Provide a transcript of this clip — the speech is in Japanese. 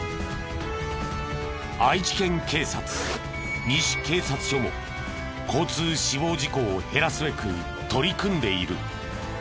愛知県警察西警察署も交通死亡事故を減らすべく取り組んでいる。